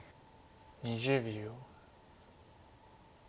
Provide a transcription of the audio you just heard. ２０秒。